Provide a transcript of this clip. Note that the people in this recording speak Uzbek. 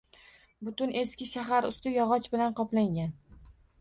Butun eski shahar usti yog‘och bilan qoplangan.